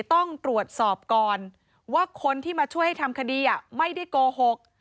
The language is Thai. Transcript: ต้องตรวจสอบก่อนว่าคนที่มาช่วยให้ทำคดีไม่ได้โกหก